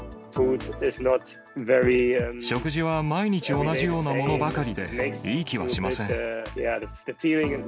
食事は毎日同じようなものばかりで、いい気はしません。